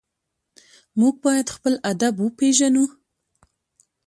موږ باید خپل ادب وپېژنو.